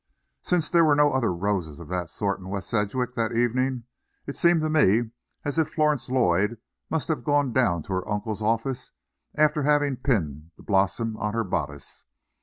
Since there were no other roses of that sort in West Sedgwick that evening, it seemed to me as if Florence Lloyd must have gone down to her uncle's office after having pinned the blossom on her bodice.